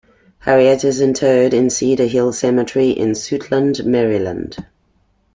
Harriet is interred in Cedar Hill Cemetery in Suitland, Maryland.